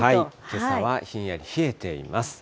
けさはひんやり冷えています。